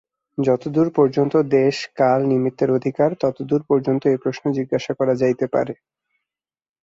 যতদূর পর্যন্ত দেশ-কাল-নিমিত্তের অধিকার, ততদূর পর্যন্ত এই প্রশ্ন জিজ্ঞাসা করা যাইতে পারে।